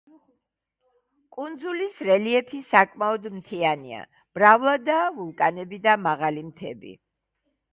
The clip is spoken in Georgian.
კუნძულის რელიეფი საკმაოდ მთიანია, მრავლადაა ვულკანები და მაღალი მთები.